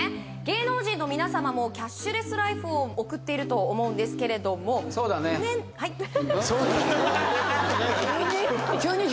芸能人の皆様もキャッシュレスライフを送っていると思うんですけれども急に？